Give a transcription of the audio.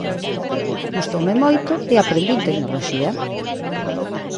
Gustoume moito e aprendín tecnoloxía.